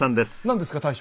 なんですか？